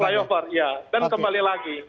ya dan kembali lagi